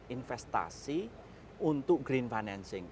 investasi untuk green financing